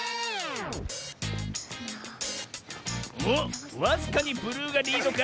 おっわずかにブルーがリードか？